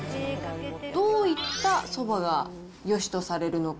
どういったそばが、よしとされるのか。